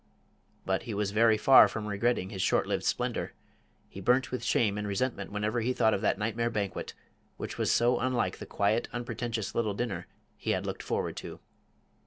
But he was very far from regretting his short lived splendour; he burnt with shame and resentment whenever he thought of that nightmare banquet, which was so unlike the quiet, unpretentious little dinner he had looked forward to.